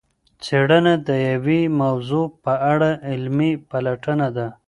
څېړنه د یوې موضوع په اړه علمي پلټنه ده.